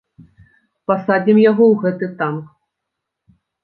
Пасадзім яго ў гэты танк!